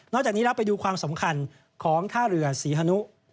จากนี้เราไปดูความสำคัญของท่าเรือศรีฮนุ